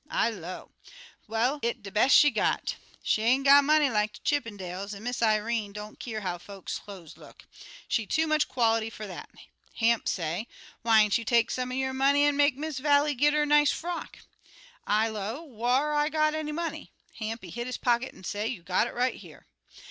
I low, 'Well, it de bes' she got. She ain't got money like de Chippendales, an' Miss Irene don't keer how folks' cloze look. She too much quality fer dat.' Hamp say, 'Whyn't you take some er yo' money an' make Miss Vallie git er nice frock?' I low, 'Whar I got any money?' Hamp he hit his pocket an' say, 'You got it right here.'